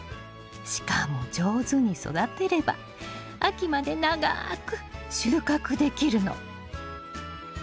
しかも上手に育てれば秋まで長く収穫できるの。